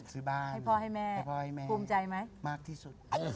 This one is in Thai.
ซื้อบ้านให้พ่อให้แม่ภูมิใจไหม่ะเหี๊ยว